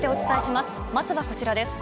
まずはこちらです。